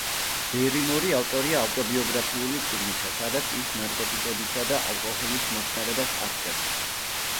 ბერიმორი ავტორია ავტობიოგრაფიული წიგნისა, სადაც ის ნარკოტიკებისა და ალკოჰოლის მოხმარებას აღწერს.